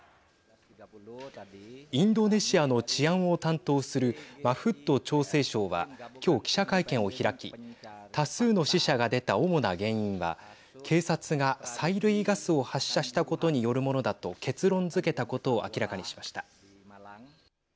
インドネシアの治安を担当するマフッド調整相は今日、記者会見を開き多数の死者が出た主な原因は警察が催涙ガスを発射したことによるものだと結論づけたことを明らかにしました。